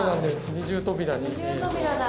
二重扉だ。